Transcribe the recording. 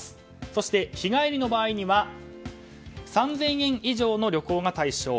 そして日帰りの場合には３０００円以上の旅行が対象。